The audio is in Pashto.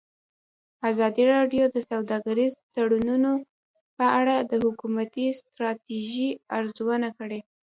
ازادي راډیو د سوداګریز تړونونه په اړه د حکومتي ستراتیژۍ ارزونه کړې.